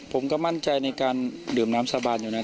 ผมก็มั่นใจในการดื่มน้ำสาบานอยู่นะ